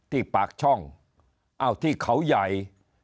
ปากช่องเอ้าที่เขาใหญ่